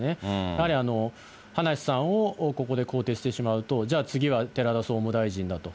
やはり葉梨さんをここで更迭してしまうと、じゃあ、次は寺田総務大臣だと。